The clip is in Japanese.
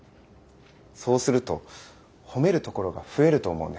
そうすると褒めるところが増えると思うんです。